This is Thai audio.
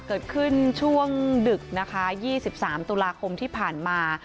เกิดขึ้นช่วงดึกนะคะ๒๓ตุลาคมที่ผ่านมา